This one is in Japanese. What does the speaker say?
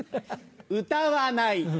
歌わない。